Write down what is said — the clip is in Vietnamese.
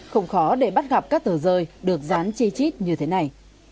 không khó để bắt gặp các tờ rơi được dán chi chít như thế này